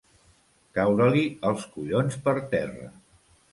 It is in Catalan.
Caure-li els collons per terra.